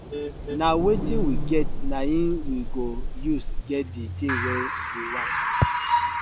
Na wetin we get naim we go use get di tin wey we want.